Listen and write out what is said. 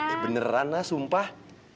eh beneran lah sumpah